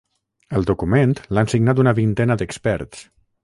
El document l’han signat una vintena d’experts.